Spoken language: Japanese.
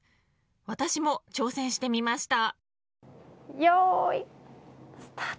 私も挑戦してみました。